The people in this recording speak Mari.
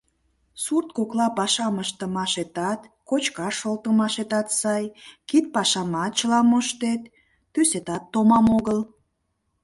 Сурт кокла пашам ыштымашетат, кочкаш шолтымашетат сай, кид пашамат чыла моштет, тӱсетат томам огыл.